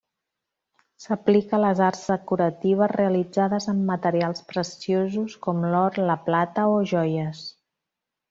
S'aplica a les arts decoratives realitzades amb materials preciosos com l'or, la plata, o joies.